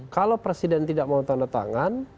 kalau presiden tidak mau tanda tangan